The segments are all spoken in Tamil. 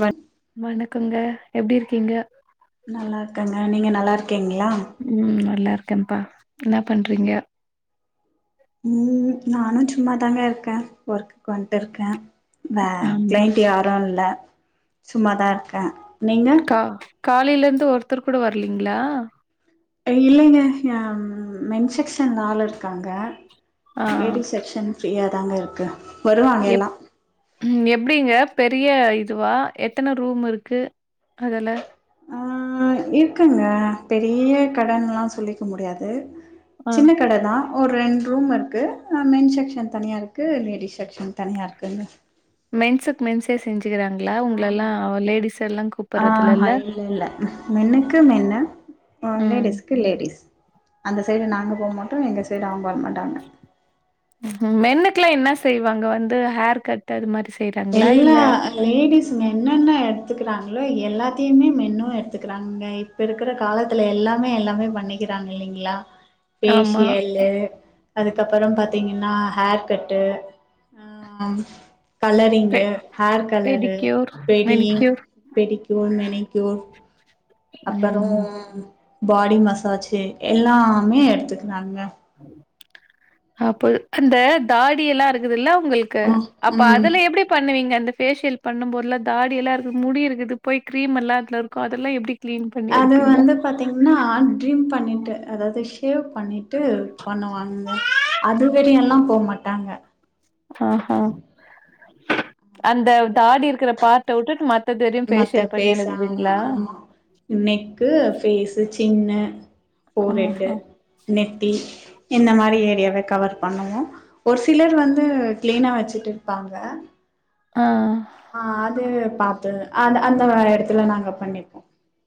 வன் வணக்கங்க எப்டி இருக்கீங்க நல்லாருக்கங்க நீங்க நல்லாருக்கீங்களா ம் நல்லாருக்கேன்ப்பா இன்னா பண்றீங்க ம் நானு சும்மாதாங்க இருக்கே ஒர்க்குக்கு வந்துட்ருக்கே வே ஆமா க்ளைண்ட் யாரு இல்ல சும்மாதா இருக்கே நீங்க கா காலையில இருந்து ஒருத்தர் கூட வரலீங்களா இல்லைங்க யாம் மென் செக்ஷன் ஆளு இருக்காங்க ஆ லேடி செக்ஷன் ஃப்ரீயாக தாங்க இருக்கு வருவாங்க எப் எல்லா ம் எப்படிங்க பெரிய இதுவா எத்தனை ரூம் இருக்கு அதுல ஆ இருக்குங்க பெரிய கடைன்லா சொல்லிக்க முடியாது ஆ சின்ன கடை தா ஒரு ரெண்டு ரூம் இருக்கு மென் செக்ஷன் தனியா இருக்கு லேடிஸ் செக்ஷன் தனியா இருக்குங்க மென்ஸுக்கு மென்ஸே செஞ்சுக்கிறாங்களா உங்களெல்லா ஆமாங்க லேடிஸ் எல்லா ஆ கூப்பிறதுலல்ல ஹ இல்ல இல்ல மென்னுக்கு மென்னு ம் லேடிஸ்க்கு லேடிஸ் அந்த சைடு நாங்க போ மாட்டோ எங்க சைடு அவங்க வர மாட்டாங்க மென்னுக்குல்லா என்ன செய்வாங்க வந்து ஹேர் கட் அது மாரி செய்ற எல்லா லேடிஸ்ங்க என்னென்ன எடுத்துக்கிறாங்களோ எல்லாத்தையுமே மென்னு எடுத்துக்கிறாங்க இப்ப இருக்கிற காலத்துல எல்லாமே எல்லாமே பண்ணிக்கிறாங்க இல்லைங்களா ஆமா பேஷியல்லு அதுக்கப்பறம் பாத்தீங்கன்னா ஹேர் கட்டு ம் ம் பெ colouring hair colour pedicure பெடி manicure pedicure manicure அப்பறம் ம் பாடி மசாஜ் [unintelligible] எல்லாமே எடுத்துக்கிறாங்க அப்போ அந்த தாடிய எல்லா இருக்குதுல்ல உங்களுக்கு ம் அப்ப ம் அதுல எப்படி பண்ணுவீங்க அந்த பேஃபேஷியல் பண்ணும்போதல்லா தாடியல்லா இருக்கு முடி இருக்கு போய் கிரீம் எல்லா [unintelligible] இருக்கு அதெல்லா எப்டி கிளீன் பண்ணி அது எடுப்பீங்க? வந்து பாத்தீங்கன்னா ட்ரீம் பண்ணிட்டு அதாவது ஷேவ் பண்ணி ட்டு பண்ணுவாங்கங்க அதுவரி எல்லா போ மாட்டாங்க ஆஹா அந்த அது தாடி இருக்குற பார்ட்ட உட்டுட்டு மத்தது வரையு மத்த பேஷியல் பண்ணி ஃபேஸ் ஆமா அனுப்புவிங்ளா ஆமா நெக்கு ஃபேசு சின்னு ஃபோரெட்டு ஆஹா. நெத்தி இந்த மாரி ஏரியாவ கவர் பண்ணுவோ ஒரு சிலர் வந்து கிளீனா வச்சுட்டு இருப்பாங்க ஆ ஆ அது பாத்து அது அந்த எடத்துல நாங்க பண்ணிப்போ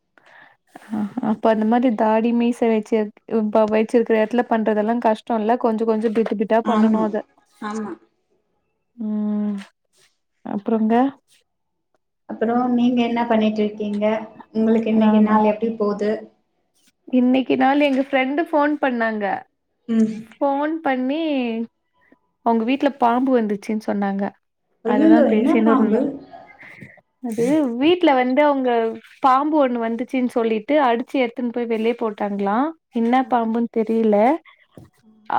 [inaudible] ஆ அப்ப அந்த மாரி தாடி மீச வச்சுத து ப வச்சுருக்குற எடத்துல பண்றதெல்லா கஷ் டோல்ல கொஞ்ச கொஞ்சோ [inaudible] ட பண்ணணு ஆமா அத ஆமா ம் அப்றங்க அப்றோ நீங்க என்ன பண்ணிட்ருக்கீங்க உங்குளுக்கு இன்னைக்கு நானா? நாள் எப்டி போது இன்னைக்கு நாள் எங்க ஃப்ரெண்டு ஃபோன் பண்ணாங்க ம் ஃபோன் பண்ணி அவங்க வீட்ல பாம்பு வந்துச்சுன் சொன்னாங்க அதுதா ஐயையோ என்ன பேசினு பாம்பு இருந்தோ அது வீட்ல வந்து அவுங்க பாம்பு ஒன்னு வந்துச்சுன் சொல்லிட்டு அடிச்சு எத் துன் போய் வெளிய போட்டாங்ளா என்ன பாம்புன் தெரில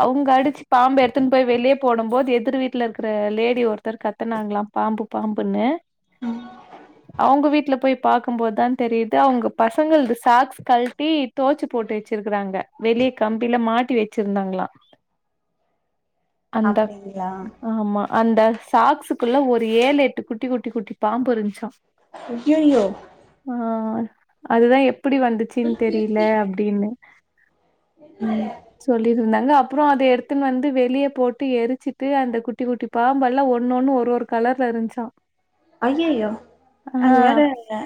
அவுங்க அடிச்சு பாம்பு எடுத்துன் போயி வெளிய போடம்போது எதிர் வீ ட்டுல இருக்குற லேடி ஒருத்தர் கத்துனாங்கலா பாம்பு பாம்புன்னு அவுங்க வீட்ல போய் பாக்கும்போதுதா தெரிது அவுங்க பசங்கள்து சாக்ஸ் கல் ட்டி தொவச்சு போட்டு வச்சிருக்குறாங்க வெளி கம்பில மாட்டி வச்சிருந்தாங்ளா அந்த அப்டிங்களா ஆமா அந்த சாக்ஸுக்குள்ள ஒரு ஏழு எட்டு குட்டி குட்டி குட்டி பாம்பு இருந்ச்சா அய்யய்யோ ஆ அதுதா எப்டி வந்துச்சின் தெரில அப்டின்னு சொல்லிருந்தாங்க அப்றோ அத எடுத்துன் வந்து வெளிய போட்டு எரிச்சிட்டு அந்த குட்டி குட்டி பாம்பெல்லா ஒன்னு ஒன்னு ஒரு ஒரு கலர்ல இருன்ச்சா ஆ லா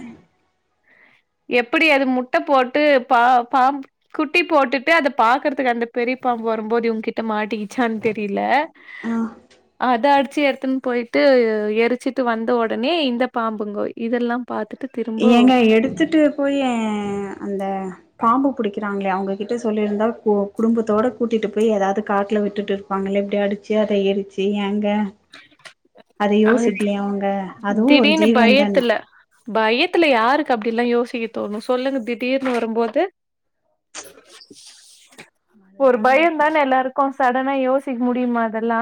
எப்டி அது முட்ட போட்டு பா பாம் குட்டி போட்டுட்டு அத பாக்கறதுக்கு அந்த பெரிய பாம்பு வரும்போது இவங்கிட்ட மாட்டிக்கிட்டு ச்சான் தெரில ஆ அத அடிச்சு எடுத்துன் போயிட்டு எரிச்சிட்டு வந்த உடனே இந்த பாம்புங்கோ இதெல்லா பாத்து ஏங்க எடுத்துட்டு போயி அந்த பாம்பு புடிக்கிறாங்களே அவங்ககிட்ட சொல்லிருந்தா கோ குடும்பத்தோட கூட்டிட்டு போய் எதாது காட்ல விட்டுட்டு இ ரு ப்பாங்களே இப்டி அடிச்சு அத எரிச்சு ஏங்க அது யோசிக்லயா அவுங்க அதுவு ஒரு திடீர்னு ஜீவன் தான பயத்துல பயத்துல யாருக்கு அப்டி எல்லா யோசிக்க தோணு சொல்லுங்க திடீர்னு வரும்போது ஒரு அதுதாங்க பயந்தான எல்லாருக்கு சடனா யோசிக்க முடிமா அதெல்லா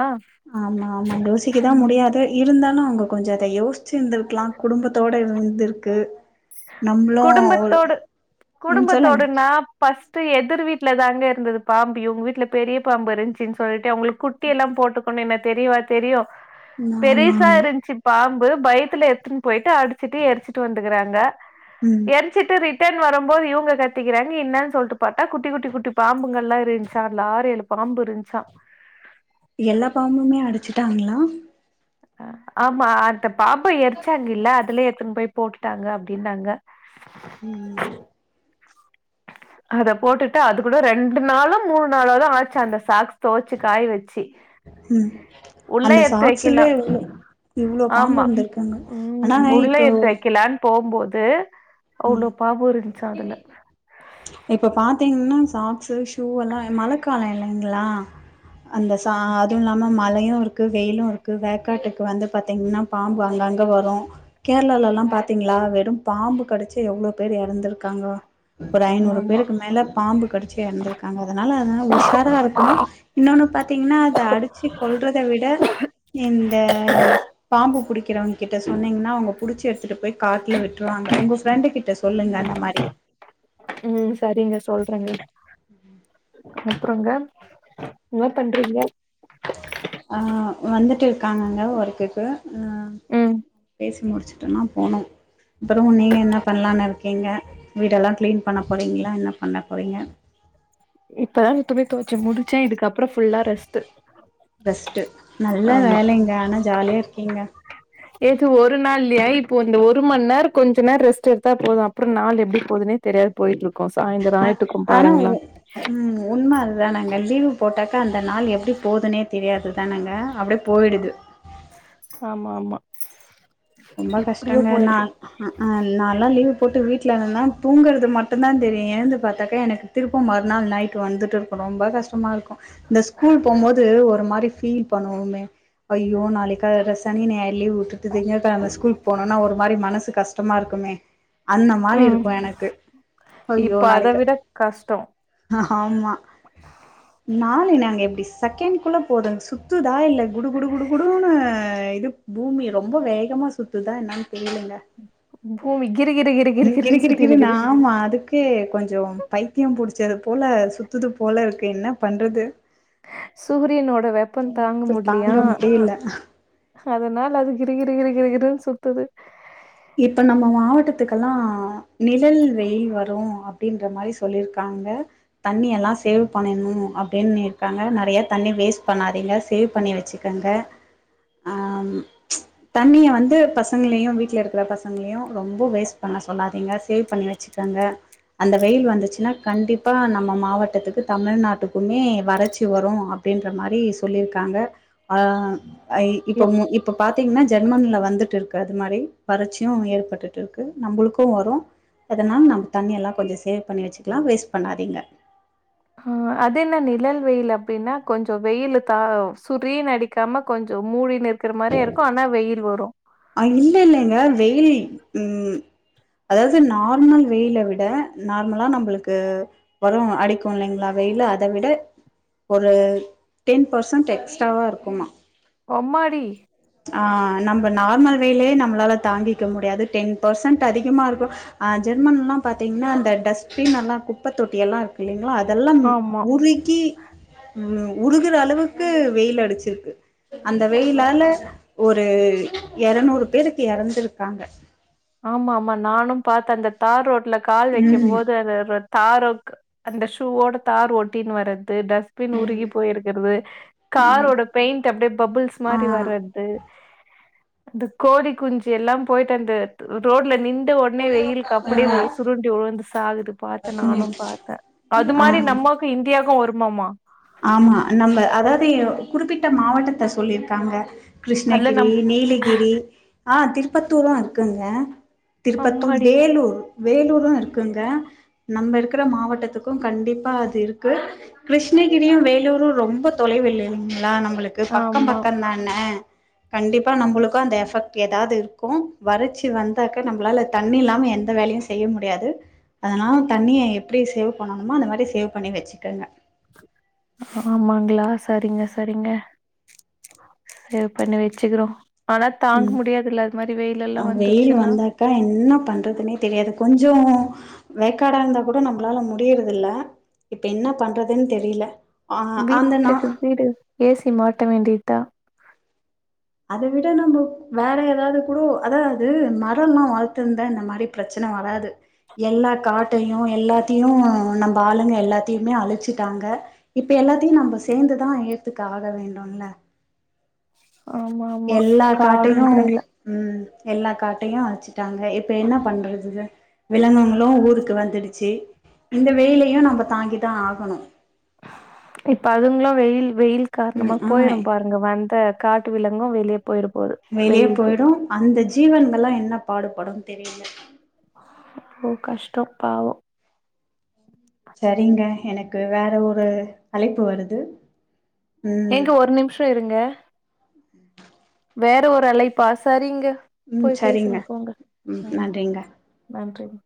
ஆமா ஆமா யோசிக்கதா முடியாது இருந்தாலு அவங்க கொஞ்சோ அத யோசிச்சுருந்துருக்கலா குடும்பத்தோட இருந்துருக்கு குடும்பத்தோடு ம் சொல்லுங்க குடும்பத்தோடுனா ஃபஸ்ட்டு எதிர் வீட்ல தாங்க இருந்துது பாம்பு இவங்க வீட்ல பெரிய பாம்பு இருந்ச்சு சொல்ட்டு அவுங்ளுக் குட்டி எல்லா போட்டுக்கணு என்ன தெரியவா தெரியு ஆமா ஆமா பெருசா இருந்ச்சு பாம்பு பயத்துல எத்துனு போயிட்டு அடிச்சுட்டு எரிச்சிட்டு வந்துக்கிறாங்க ம் எரி ச்சுட்டு ரிட்டன் வரும்போது இவுங்க கத்திக்கிறாங்க என்னனு சொல்ட்டு பாத்தா குட்டி குட்டி குட்டி பாம்புங்கல்லா இருன்ச்சா ஆரேழு பாம்பு இருஞ்சா எல்லா பாம்புமே அடிச்சுட்டாங்களா ஆமா அந்த பாம்ப எரிச்சாங்கல்ல அதுலே எத்துனு போய் போட்டுட்டாங்க அப்டின்னாங்க ம் அத போட்டுட்டு அது கூட ரெண்டு நாளோ மூணு நாளோதா ஆச்சு அந்த சாக்ஸ் தொவச்சு காய வ ச்சி ம் உள்ள அந்த எடுத்து சாக்ஸ்ல வக்கில இவ்ளோ இவ்ளோ பாம்பு ஆமா இருந்திருக்குங்க ஆனா ம் உள்ள இப்போ எடுத்து வக்கில போம்போது அவ்ளோ பாம்பு இருன்ச்சா அதுல இப்ப பாத்தீங்கன்னா சாக்ஸ் ஷூ எல்லா மழக்காலோ இல்லைங்ளா அந்த சா அதுவு இல்லாம மழையு இருக் கு வெயிலு இருக்கு வேக்காட்டுக்கு வந்து பாத்தீங்கன்னா பாம்பு அங்கங்க வரு கேர்ளாலல்லா பாத்தீங்ளா வெறு பாம்பு கடிச்சு எவ்ளோ பேர் எறந்திருக்காங்க ஒரு ஐநூறு ஆமா. பேருக்கு மேல பாம்பு கடிச்சு எறந்திருக்காங்க அதனால அத உஷாரா இருக்கணு இன்னொன்னு பாத்தீங்கன்னா அத அடிச்சு கொல்றத விட இந்த பாம்பு புடிக்கிறவங்க கிட்ட சொன்னீங்ன்னா அவுங்க புடிச்சு எடுத்துட்டு போய் காட்ல விட்ருவாங்க உங்க உங்க ஃப்ரெண்டு கிட்ட சொல்லுங்க அந்த மாரி ம் சரிங்க சொல்றேங்க அப்றோங்க என்ன பண்றீங்க அ வந்துட்டு இருக்காங்கங்க ஒர்க்குக்கு அ ம். பேசி முடிச்சுட்டோனா போணு அப்றோ நீங்க என்ன பண்லான்னு இருக்கீங்க வீடெல்லா க்ளீன் பண்ண போறீங்களா என்ன பண்ண போறீங்க இப்பதா துணி தொவச்சு முடிச்சே இதுக்கப்றோ ஃபுல்லா ரெஸ்ட்டு ரெஸ்ட்டு நல்லா ஆமா. வேலைங்க ஆனா ஜாலியா இருக்கீங்க எது ஒரு நாள்லியா இப்போ இந்த ஒரு மண் நேர கொஞ்ச நேரோ ரெஸ்ட்டு எடுத்தா போது அப்றோ நாள் எப்டி போதுனே தெரியாது போயிட்டு இருக்கோ சாய்ந்தர ஆ ஆயிட்டுக்கு ஆனா பாருங்ள உ ம் உண்ம அதுதானங்க லீவு போட்டாக்கா அந்த நாள் எப்டி போதுனே தெரியாது தானங்க அப்டிப் போயிடுது ஆமா ஆமா ரொம்ப கஷ்டங்க நான் அ ஹ நாலா லீவு போட்டு வீட்ல இருந்தன தூங்குறது மட்டுதா தெரியு எழுந்து பாத்தாக்கா எனக்கு திருப்ப மறுநாள் நைட்டு் வந்துட்டு இருக்கு ரொம்ப கஷ்டமா இருக்கு இந்த ஸ்கூல் போம்போது ஒரு மாரி ஃபீல் பண்ணுவோமே ஐயோ நாளைக் கால சனி ஞாயிறு லீவு உட்டுட்டு திங்க கெழம ஸ்கூல் போனுனா ஒரு மாரி மனசு கஷ்டமா இருக்குமே அந்த மாரி ம் இருக்கு எனக்கு ஐயோ இப்ப அத நாளைக்கு விட கஷ்டோ ஆமா நாளை நாங்க எப்டி செகண்ட்க்குள்ள போதுங் சுத் துதா இல்ல குடு குடு குடு குடுன்னு இது பூமி ரொம்ப வே சுத்தமா சுத்துதா என்னன்னு தெரியலங்க பூமி கிரு கிரு கிரு கிரு கிடு கிருன்னு கிடு கிடுன் சுத்தினுக்குது ஆமா அதுக் கே கொஞ்சோ பைத்தியம் புடிச்சது போல சுத்துது போல இருக்கு என்ன பண்றது சூரியனோட வெப்பம் தாங்க இப்ப முடில்யா தாங்க முடியல அதனால அது கிரு கிரு கிரு கிருன்னு சுத்துது இப்ப நம்ம மாவட்டத்துக்கல்லா நிழல் வெயில் வரு அப்டின்ற மாரி சொல்லிருக்காங்க தண்ணி எல்லா சேவ் பண்ணணு அப்டின்னிருக்காங்க நறையா தண்ணி வேஸ்ட் பண்ணாதீங்க சேவ் பண்ணி வச்சு க்கங்க அ தண்ணிய வந்து பசங்களையு வீட்ல இரு க்க பசங்களையு ரொம்ப வேஸ்ட் பண்ண சொல்லாதீங்க சேவ் பண்ணி வச்சுக்கங்க அந்த வெயில் வந்துச்சுனா கண்டிப்பா நம்ம மாவட்டத்துக்கு தமிழ்நாட்டுக்குமே வறச்சி வரு அப் அப்டின்ற மாரி சொல்லிருக்காங்க ஆ அ இப்ப எப் இப்ப பாத்தீங்கன்னா ஜெர்மன்ல வந்துட்டுருக்கு அது மாரி வறட்சியு ஏற்பட்டுட்டு இருக்கு நம்மளுக்கு வரு அதனால நம்ம தண்ணி எல்லா கொஞ்சோ சேவ் பண்ணி வச்சுக்கலா வேஸ்ட் பண்ணாதீங்க ஆ அது என்ன நிழல் வெயில் அப்டின்னா கொஞ்சோ வெயில் த சுரீனு அடிக்காம கொஞ்சோ மூடி நிர் இருக்கற மாரியே இருக்கு ஆனா வெயில் வரு அ இல்ல இல்லங்க வெயில் ம் அதாவது நார்மல் வெயில விட நார்மலா நம்மளுக்கு எவ்ளோ அடிக்கு இல்லைங்களா வெயிலு அத விட ஒரு டென் பர்சன்ட் எக்ஸ்ட்ராவா இருக்குமா ஒம்மடி ஆ நம்ம நார்மல் வெய்லே நம்ளால தாங்கிக்க முடியாது டென் பர்சன்ட் அதிகமா இருக்கு அ ஜெர்மன்ல்லா பாத்தீங்கன்னா அந்த டஸ்ட்பின் எல்லா குப்ப தொட்டி எல்லா இருக்கு இல்லைங்களா அதெல்லா ஆமா உருக்கி ம் உருகுற அளவுக்கு வெயில் அடிச்சிருக்கு அந்த வெயிலால ஒரு எறநூறு பேருக்கு எறந்துருக்காங்க ஆமா ஆமா நானு பாத்த அந்த தார் ரோட்ல கால் வைக்கு ம் போது அது அது அது தார்ஓக்கு அந்த ஷூவோட தார் ஒட்டின்னு வர்றது டஸ்ட்பின் உருகி போயிருக்கறது காரோட பெயிண்ட் அப்டியே பபுள்ஸ் ஆ மாரி வர்றது அந்த கோடி குஞ்சி எல்லா போயிட்டு அந்த ரோட்ல நின்டு ஒட்னே வெயிலுக்கு அப்டியே சுருண்டி உழுந்து சாகுது பாத்த நானு ம் பாத்த அது மாரி ஆ நம்மக்கு இந்தியாக்கு வருமாமா ஆமா நம்ம அதாவது குறிப்பிட்ட மாவட்டத் சொல்லி இருக்காங்க அதுல கிருஷ்ணகிரி நம் நீலகிரி ஆ திருப்பத்தூரு இருக்குங்க திருப்பத்தூர் அம்மாடி! வேலூர் வேலூரு இருக்குங்க நம்ம இருக்கற மாவட்டத்துக்கு கண்டிப்பா அது இருக்கு கிருஷ்ணகிரியு வேலூரு ரொம்ப தொலைவில்லைங்களா நம்பளுக்கு பக்கம் ஆமா. பக்கம்தானா கண்டிப்பா நம்பளுக்கும் அந்த எஃபெக்ட் எதாது இருக்கு வறட்ச்சி வந்தாக்க நம்பளால தண்ணி இல்லாம எந்த வேலயு செ செய்ய முடியாது அதனால தண்ணிய எப்டி சேவ் பண்ணணுமோ அந்த மாரி சேவ் பண்ணி வச்சுக்கோங்க ஆமாங்களா சரிங்க சரிங்க சேவ் பண்ணி வச்சுக்கிறோ ஆனா தாங்க முடியாதுல்ல அது மாரி வெயில் எல்லா வந்துருச்சுன்னா அக்கா என்ன பண்றதுன்னே தெரியாது கொஞ்சோ வேக்காடா இருந்தா கூட நம்பளால முடியறது இல்ல இப்ப என்ன பண்றதுன் தெரில ஆமா அந்தனா வீட்டுக்கு வீடு ஏசி மாட்ட வேண்டியதா அத விட நம்ம வேற ஏதாவது கூடு அதாவுது மரோல்லா வளத்திருந்த இந்த மாரி பிரச்சன வராது எல்லா காட்டையு எல்லாத்தையு நம்ம ஆளுங்க எல்லாத்தையுமே அழிச்சுட்டாங்க இப்ப எல்லாத்தையு நம்ம சேந்துதா எத்துக்கு ஆக வேண்டுல ஆமா ஆமா. எல்லா காடும் காட்டையு கூட இல்ல. ம் எல்லா காட்டையு அழிச்சு ட்டாங்க இப்ப என்ன பண்றது இத விலங்குங்களு ஊருக்கு வந்துடுச்சு இந்த வெயிலையு நம்ம தாங்கி தா ஆகணு இப்ப அதுங்ளோ வெயில் வெயில் ம் காரணமா ஆ போயிரும் பாருங்க வந்த காட்டு விலங்கு வெளியே போயிற போது வெளியே வெயிலுக்கு போயிடு அந்த ஜீவன்கள்லா என்ன பாடுபடும் தெரியல அப்போ கஷ்டம் பாவம் சரிங்க எனக்கு வேற ஒரு அழைப்பு வருது ம் ஏங்க ஒரு நிமிஷம் இருங்க ம் [inaudible] வேற ஒரு அழைப்பா சரிங்க ம் போய் சரிங்க பேசுங்க போங்க ம் நன்றிங்க